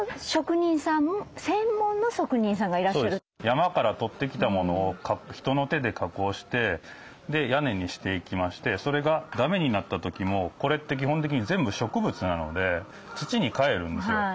山から取ってきたものを人の手で加工して屋根にしていきましてそれがだめになった時もこれって基本的に全部植物なので土にかえるんですよ。